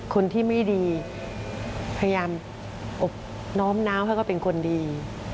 คนที่ไม่ดีพยายามอบน้อมน้าวให้เขาเป็นคนดี